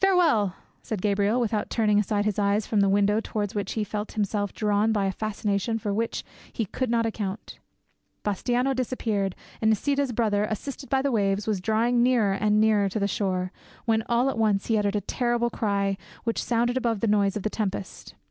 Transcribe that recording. "Farewell," said Gabriel, without turning aside his eyes from the window towards which he felt himself drawn by a fascination for which he could not account. Bastiano disappeared, and Nisida's brother, assisted by the waves, was drawing nearer and nearer to the shore, when, at all once, he uttered a terrible cry which sounded above the noise of the tempest.